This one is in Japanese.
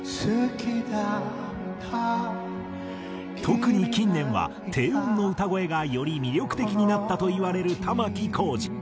特に近年は低音の歌声がより魅力的になったといわれる玉置浩二。